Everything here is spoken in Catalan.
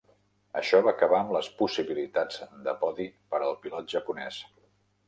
Això va acabar amb les possibilitats de podi per al pilot japonès.